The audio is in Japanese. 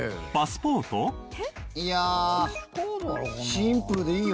いやシンプルでいいよね？